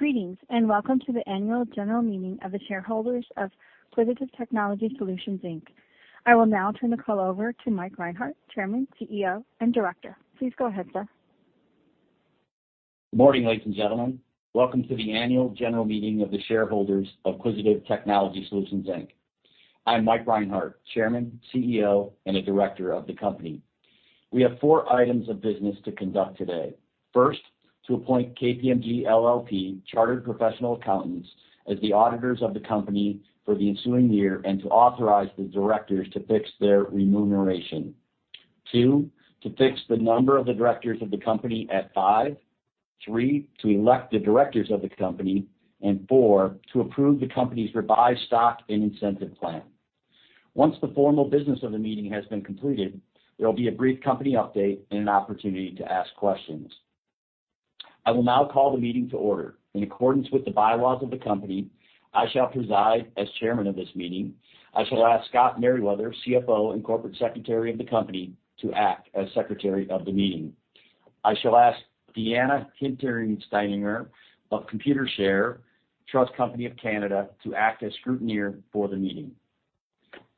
Greetings, welcome to the annual general meeting of the shareholders of Quisitive Technology Solutions Inc. I will now turn the call over to Mike Reinhart, Chairman, CEO, and Director. Please go ahead, sir. Good morning, ladies and gentlemen. Welcome to the annual general meeting of the shareholders of Quisitive Technology Solutions Inc. I'm Mike Reinhart, Chairman, CEO, and a Director of the company. We have 4 items of business to conduct today. 1. to appoint KPMG LLP Chartered Professional Accountants as the auditors of the company for the ensuing year and to authorize the directors to fix their remuneration. 2. to fix the number of the directors of the company at 5. 3. to elect the directors of the company, and 4. to approve the company's revised stock and incentive plan. Once the formal business of the meeting has been completed, there will be a brief company update and an opportunity to ask questions. I will now call the meeting to order. In accordance with the bylaws of the company, I shall preside as chairman of this meeting. I shall ask Scott Meriwether, CFO, and corporate secretary of the company, to act as secretary of the meeting. I shall ask Deanna Hintersteininger of Computershare Trust Company of Canada to act as scrutineer for the meeting.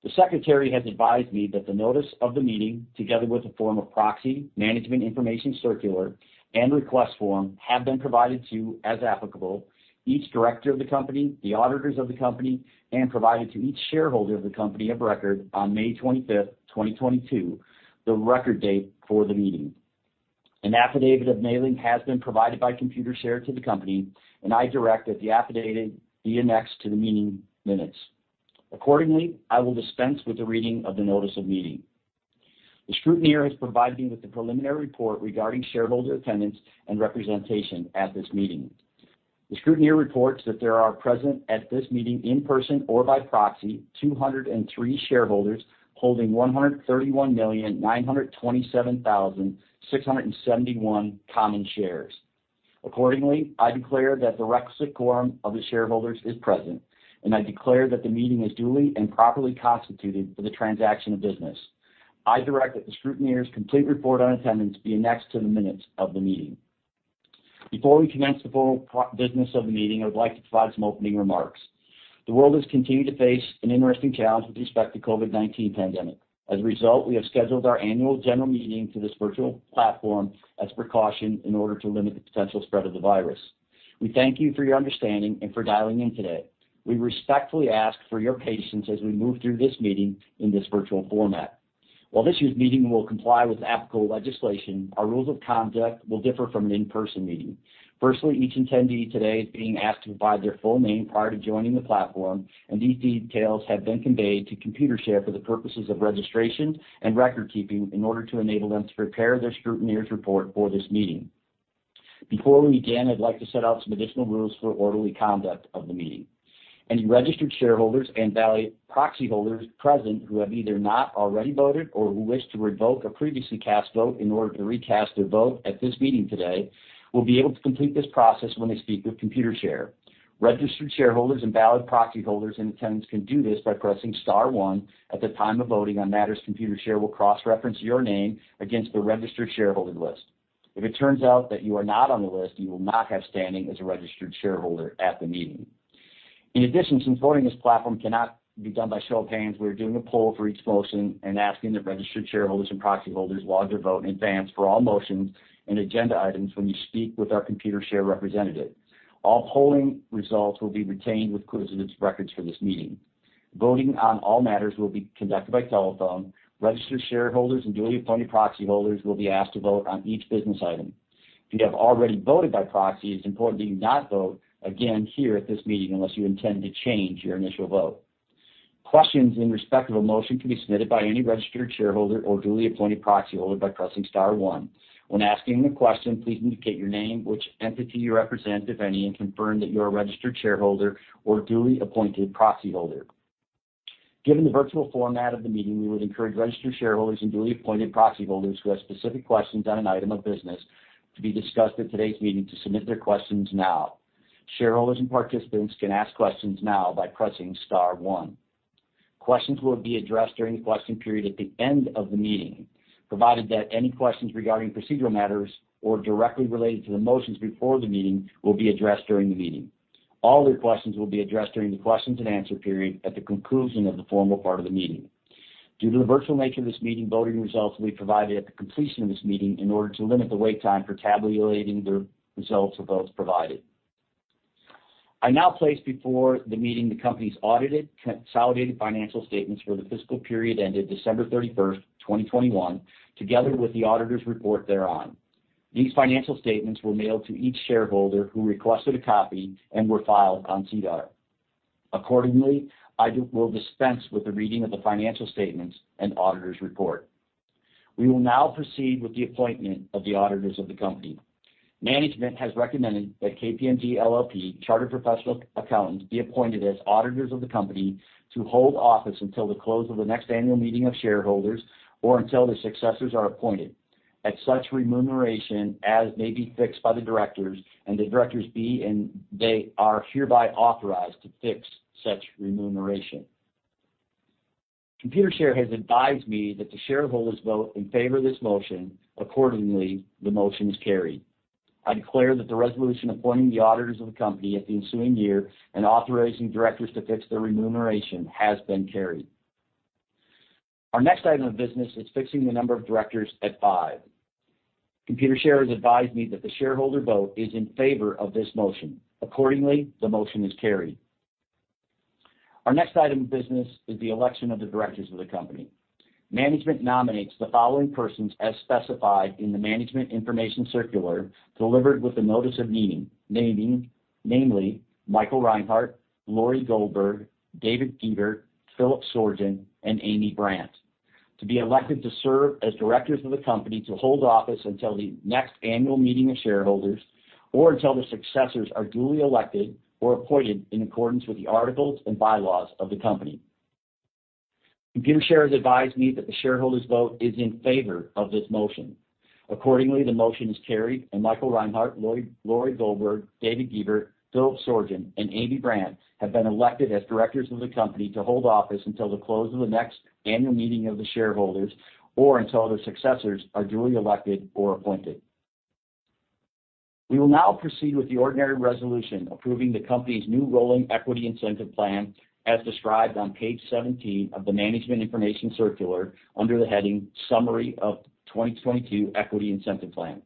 The secretary has advised me that the notice of the meeting, together with a form of proxy, management information circular, and request form, have been provided to, as applicable, each director of the company, the auditors of the company, and provided to each shareholder of the company of record on May 25th, 2022, the record date for the meeting. An affidavit of mailing has been provided by Computershare to the company. I direct that the affidavit be annexed to the meeting minutes. Accordingly, I will dispense with the reading of the notice of meeting. The scrutineer has provided me with the preliminary report regarding shareholder attendance and representation at this meeting. The scrutineer reports that there are present at this meeting in person or by proxy, 203 shareholders holding 131,927,671 common shares. I declare that the requisite quorum of the shareholders is present, and I declare that the meeting is duly and properly constituted for the transaction of business. I direct that the scrutineer's complete report on attendance be annexed to the minutes of the meeting. Before we commence the formal business of the meeting, I would like to provide some opening remarks. The world has continued to face an interesting challenge with respect to COVID-19 pandemic. We have scheduled our annual general meeting to this virtual platform as precaution in order to limit the potential spread of the virus. We thank you for your understanding and for dialing in today. We respectfully ask for your patience as we move through this meeting in this virtual format. While this year's meeting will comply with applicable legislation, our rules of conduct will differ from an in-person meeting. Firstly, each attendee today is being asked to provide their full name prior to joining the platform, and these details have been conveyed to Computershare for the purposes of registration and record-keeping in order to enable them to prepare their scrutineer's report for this meeting. Before we begin, I'd like to set out some additional rules for orderly conduct of the meeting. Any registered shareholders and valid proxy holders present who have either not already voted or who wish to revoke a previously cast vote in order to recast their vote at this meeting today will be able to complete this process when they speak with Computershare. Registered shareholders and valid proxy holders in attendance can do this by pressing star one at the time of voting on matters. Computershare will cross-reference your name against the registered shareholder list. If it turns out that you are not on the list, you will not have standing as a registered shareholder at the meeting. In addition, since voting in this platform cannot be done by show of hands, we are doing a poll for each motion and asking that registered shareholders and proxy holders log their vote in advance for all motions and agenda items when you speak with our Computershare representative. All polling results will be retained with Quisitive's records for this meeting. Voting on all matters will be conducted by telephone. Registered shareholders and duly appointed proxy holders will be asked to vote on each business item. If you have already voted by proxy, it's important that you not vote again here at this meeting unless you intend to change your initial vote. Questions in respect of a motion can be submitted by any registered shareholder or duly appointed proxy holder by pressing star one. When asking the question, please indicate your name, which entity you represent, if any, and confirm that you're a registered shareholder or duly appointed proxy holder. Given the virtual format of the meeting, we would encourage registered shareholders and duly appointed proxy holders who have specific questions on an item of business to be discussed at today's meeting to submit your questions now. Shareholders and participants can ask questions now by pressing star one. Questions will be addressed during the question period at the end of the meeting, provided that any questions regarding procedural matters or directly related to the motions before the meeting will be addressed during the meeting. All other questions will be addressed during the questions and answer period at the conclusion of the formal part of the meeting. Due to the virtual nature of this meeting, voting results will be provided at the completion of this meeting in order to limit the wait time for tabulating the results of votes provided. I now place before the meeting the company's audited, consolidated financial statements for the fiscal period ended December 31st, 2021, together with the auditor's report thereon. These financial statements were mailed to each shareholder who requested a copy and were filed on SEDAR. Accordingly, I will dispense with the reading of the financial statements and auditor's report. We will now proceed with the appointment of the auditors of the company. Management has recommended that KPMG LLP, Chartered Professional Accountants, be appointed as auditors of the company to hold office until the close of the next annual meeting of shareholders or until their successors are appointed, at such remuneration as may be fixed by the directors, and the directors be, and they are hereby authorized to fix such remuneration. Computershare has advised me that the shareholders vote in favor of this motion. Accordingly, the motion is carried. I declare that the resolution appointing the auditors of the company at the ensuing year and authorizing directors to fix their remuneration has been carried. Our next item of business is fixing the number of directors at 5. Computershare has advised me that the shareholder vote is in favor of this motion. Accordingly, the motion is carried. Our next item of business is the election of the directors of the company. Management nominates the following persons as specified in the management information circular delivered with the notice of meeting, namely Mike Reinhart, Laurie Goldberg, Dave Guebert, Philip Sorgen, and Amy Brandt, to be elected to serve as directors of the company to hold office until the next annual meeting of shareholders or until their successors are duly elected or appointed in accordance with the articles and bylaws of the company. Computershare has advised me that the shareholders vote is in favor of this motion. Accordingly, the motion is carried, and Mike Reinhart, Laurie Goldberg, Dave Guebert, Philip Sorgen, and Amy Brandt have been elected as directors of the company to hold office until the close of the next annual meeting of the shareholders or until their successors are duly elected or appointed. We will now proceed with the ordinary resolution approving the company's new rolling equity incentive plan as described on page 17 of the management information circular under the heading Summary of 2022 Equity Incentive Plan.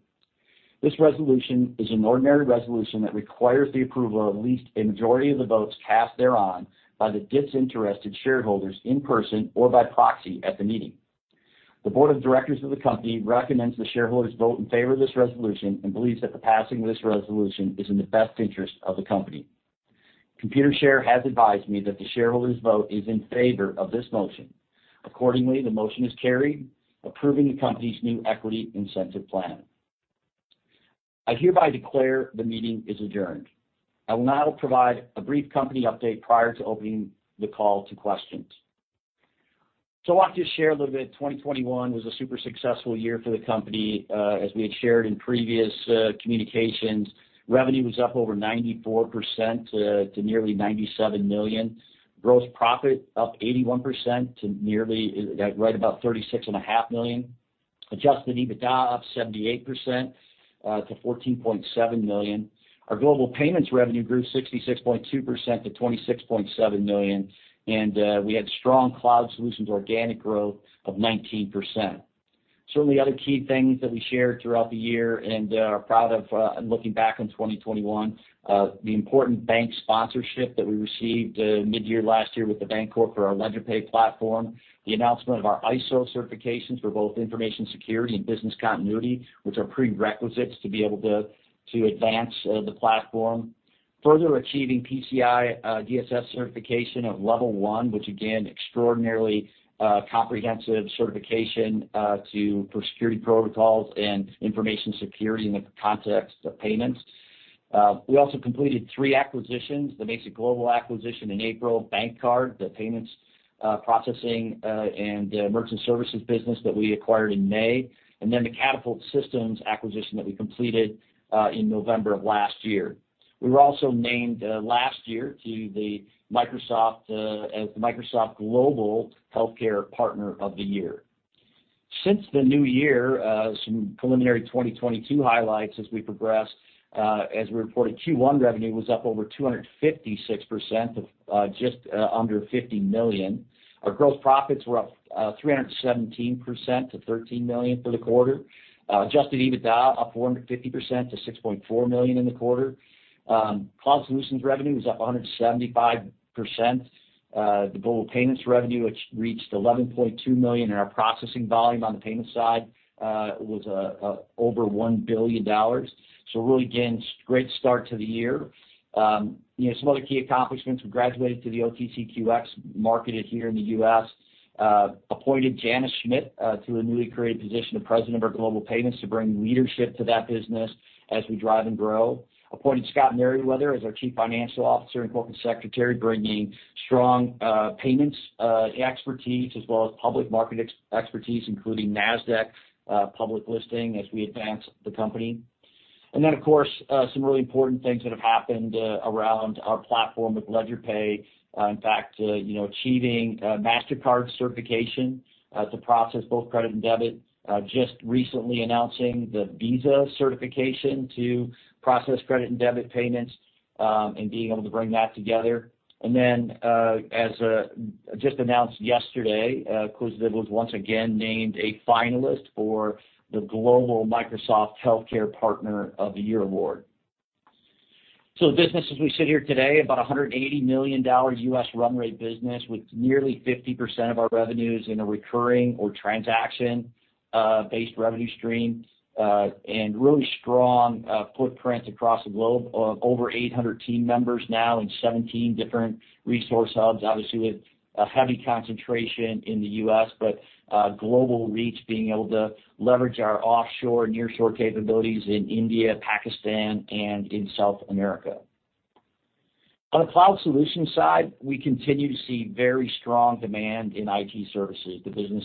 This resolution is an ordinary resolution that requires the approval of at least a majority of the votes cast thereon by the disinterested shareholders in person or by proxy at the meeting. The board of directors of the company recommends the shareholders vote in favor of this resolution and believes that the passing of this resolution is in the best interest of the company. Computershare has advised me that the shareholders vote is in favor of this motion. Accordingly, the motion is carried, approving the company's new equity incentive plan. I hereby declare the meeting is adjourned. I will now provide a brief company update prior to opening the call to questions. I want to just share a little bit, 2021 was a super successful year for the company. As we had shared in previous communications, revenue was up over 94% to nearly 197 million. Gross profit up 81% to right about 36.5 million. Adjusted EBITDA up 78% to 14.7 million. Our Global Payments revenue grew 66.2% to 26.7 million. We had strong cloud solutions organic growth of 19%. Certainly other key things that we shared throughout the year and are proud of looking back on 2021. The important bank sponsorship that we received mid-year last year with The Bancorp for our LedgerPay platform. The announcement of our ISO certifications for both information security and business continuity, which are prerequisites to be able to advance the platform. Further achieving PCI DSS certification of level 1, which again, extraordinarily comprehensive certification for security protocols and information security in the context of payments. We also completed 3 acquisitions, the Mazik Global acquisition in April, BankCard, the payments processing and merchant services business that we acquired in May. Then the Catapult Systems acquisition that we completed in November of last year. We were also named last year as the Microsoft Global Healthcare Partner of the Year. Since the new year, some preliminary 2022 highlights as we progress. As we reported, Q1 revenue was up over 256% of just under 50 million. Our gross profits were up 317% to 13 million for the quarter. Adjusted EBITDA up 450% to 6.4 million in the quarter. Cloud solutions revenue was up 175%. The Global Payments revenue, which reached 11.2 million, and our processing volume on the payment side was over 1 billion dollars. Really, again, great start to the year. Some other key accomplishments. We graduated to the OTCQX marketed here in the U.S. Appointed Jana Schmidt to a newly created position of President of our Global Payments to bring leadership to that business as we drive and grow. Appointed Scott Meriwether as our Chief Financial Officer and Corporate Secretary, bringing strong payments expertise as well as public market expertise, including NASDAQ public listing as we advance the company. Of course, some really important things that have happened around our platform with LedgerPay. In fact, achieving Mastercard certification to process both credit and debit. Just recently announcing the Visa certification to process credit and debit payments and being able to bring that together. As just announced yesterday, Quisitive was once again named a finalist for the Global Microsoft Healthcare Partner of the Year Award. The business as we sit here today, about $180 million U.S. run rate business with nearly 50% of our revenues in a recurring or transaction-based revenue stream. Really strong footprint across the globe of over 800 team members now in 17 different resource hubs, obviously with a heavy concentration in the U.S., but global reach, being able to leverage our offshore and nearshore capabilities in India, Pakistan, and in South America. On the cloud solutions side, we continue to see very strong demand in IT services. The business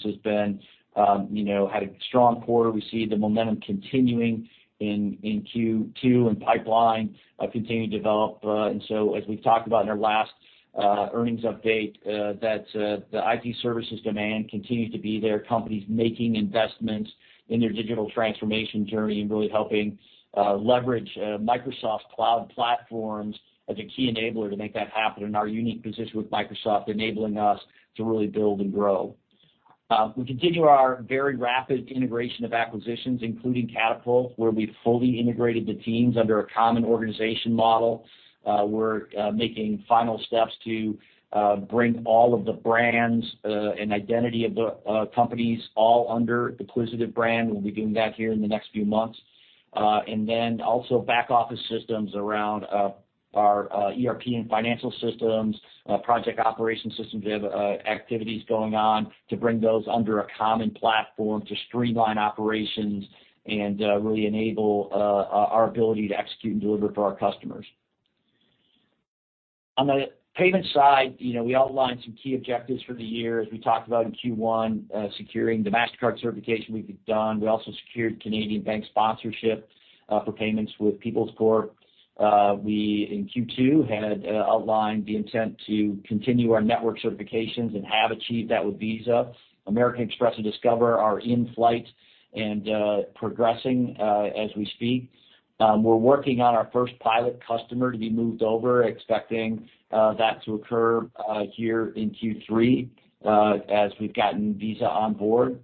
had a strong quarter. We see the momentum continuing in Q2 and pipeline continue to develop. As we've talked about in our last earnings update, the IT services demand continues to be there, companies making investments in their digital transformation journey and really helping leverage Microsoft's cloud platforms as a key enabler to make that happen, and our unique position with Microsoft enabling us to really build and grow. We continue our very rapid integration of acquisitions, including Catapult, where we've fully integrated the teams under a common organization model. We're making final steps to bring all of the brands and identity of the companies all under the Quisitive brand. We'll be doing that here in the next few months. Also back office systems around our ERP and financial systems, project operation systems. We have activities going on to bring those under a common platform to streamline operations and really enable our ability to execute and deliver for our customers. On the payment side, we outlined some key objectives for the year. As we talked about in Q1, securing the Mastercard certification we've done. We also secured Canadian bank sponsorship for payments with Peoples Trust Company. We, in Q2, had outlined the intent to continue our network certifications and have achieved that with Visa. American Express and Discover are in flight and progressing as we speak. We're working on our first pilot customer to be moved over, expecting that to occur here in Q3 as we've gotten Visa on board.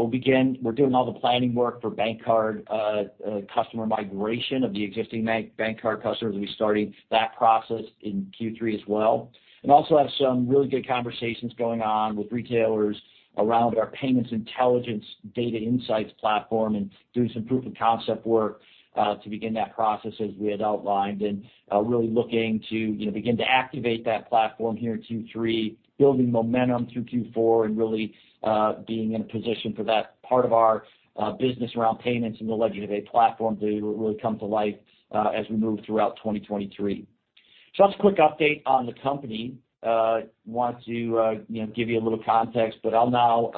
We're doing all the planning work for BankCard customer migration of the existing BankCard customers. We'll be starting that process in Q3 as well. Also have some really good conversations going on with retailers around our payments intelligence data insights platform and doing some proof of concept work to begin that process as we had outlined, and really looking to begin to activate that platform here in Q3, building momentum through Q4, and really being in a position for that part of our business around payments and the LedgerPay platform to really come to life as we move throughout 2023. Just a quick update on the company. Want to give you a little context, but I'll now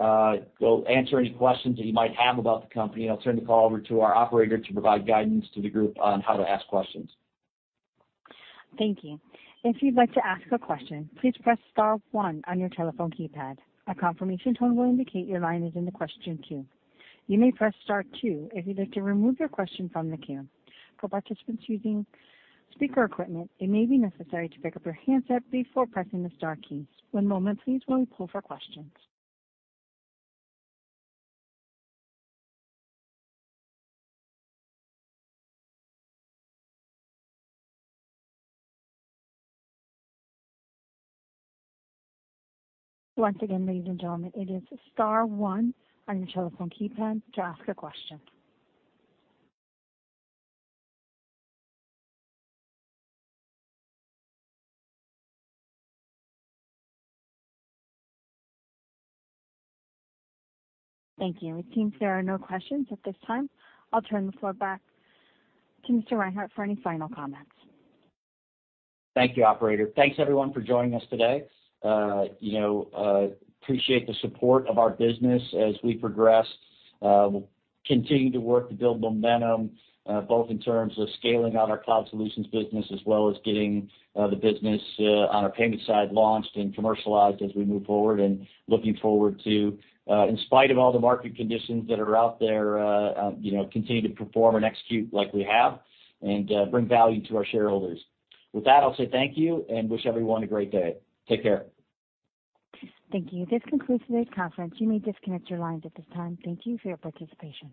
answer any questions that you might have about the company, and I'll turn the call over to our operator to provide guidance to the group on how to ask questions. Thank you. If you'd like to ask a question, please press star one on your telephone keypad. A confirmation tone will indicate your line is in the question queue. You may press star two if you'd like to remove your question from the queue. For participants using speaker equipment, it may be necessary to pick up your handset before pressing the star keys. One moment please while we pull for questions. Once again, ladies and gentlemen, it is star one on your telephone keypad to ask a question. Thank you. It seems there are no questions at this time. I'll turn the floor back to Mr. Reinhart for any final comments. Thank you, operator. Thanks everyone for joining us today. Appreciate the support of our business as we progress. We'll continue to work to build momentum, both in terms of scaling out our cloud solutions business as well as getting the business on our payments side launched and commercialized as we move forward. Looking forward to, in spite of all the market conditions that are out there, continue to perform and execute like we have and bring value to our shareholders. With that, I'll say thank you and wish everyone a great day. Take care. Thank you. This concludes today's conference. You may disconnect your lines at this time. Thank you for your participation.